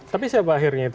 tapi siapa akhirnya itu